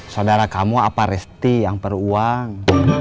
saudara kamu apa resti yang peruang